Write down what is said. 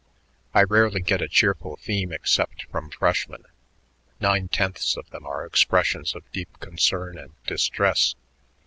I rarely get a cheerful theme except from freshmen. Nine tenths of them are expressions of deep concern and distress.